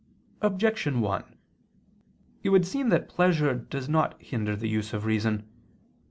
Objection 1: It would seem that pleasure does not hinder the use of reason.